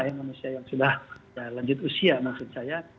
yang sudah lanjut usia maksud saya